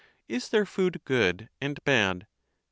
Is there food good, and bad?